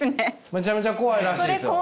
めちゃめちゃ怖いらしいですよ。